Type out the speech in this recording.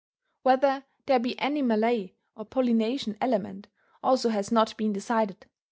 Whether there be any Malay or Polynesian element also has not been decided.